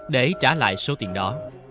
để trả lại số tiền đó